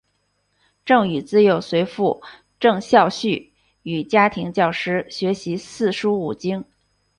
郑禹自幼随父郑孝胥与家庭教师学习四书五经。